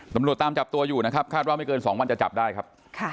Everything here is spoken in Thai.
ตำรวจตามจับตัวอยู่นะครับคาดว่าไม่เกิน๒วันจะจับได้ครับ